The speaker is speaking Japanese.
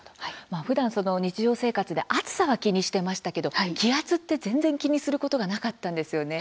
ふだん、日常生活で暑さは気にしてましたけど気圧って全然気にすることがなかったんですよね。